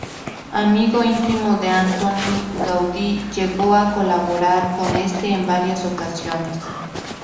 Amigo íntimo de Antoni Gaudí, llegó a colaborar con este en varias ocasiones.